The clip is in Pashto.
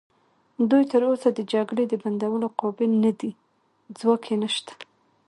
دوی تراوسه د جګړې د بندولو قابل نه دي، ځواک یې نشته.